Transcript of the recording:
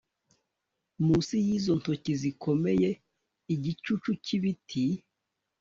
munsi yizo ntoki zikomeye, igicucu cyibiti,